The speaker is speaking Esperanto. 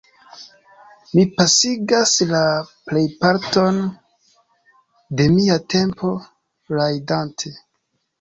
Mi pasigas la plejparton de mia tempo rajdante.